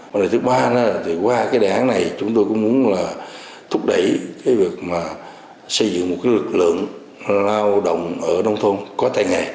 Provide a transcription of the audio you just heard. và thứ ba là qua cái đề án này chúng tôi cũng muốn thúc đẩy cái việc xây dựng một lực lượng lao động ở nông thôn có tay nghề